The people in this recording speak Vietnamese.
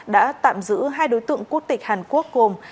đã tạm giữ hai đối tượng quốc tịch hàn quốc gồm